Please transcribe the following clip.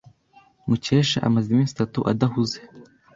Mukesha amaze iminsi itatu adahuze.